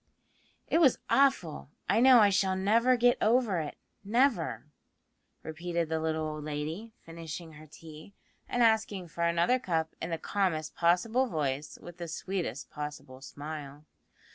"It was awful. I know I shall never get over it, never," repeated the little old lady, finishing her tea, and asking for another cup in the calmest possible voice, with the sweetest possible smile.